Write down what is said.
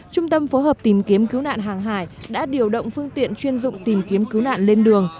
trung tâm phối hợp tìm kiếm cứu nạn hàng hải đã điều động phương tiện chuyên dụng tìm kiếm cứu nạn lên đường